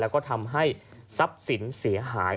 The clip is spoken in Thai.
แล้วก็ทำให้ทรัพย์สินเสียหาย